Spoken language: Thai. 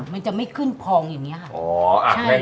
มันจะไม่ขึ้นพองอย่างนี้ค่ะ